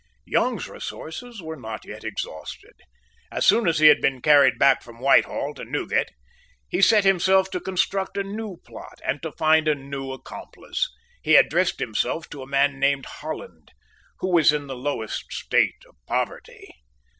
Young's resources were not yet exhausted. As soon as he had been carried back from Whitehall to Newgate, he set himself to construct a new plot, and to find a new accomplice. He addressed himself to a man named Holland, who was in the lowest state of poverty.